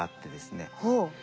ほう。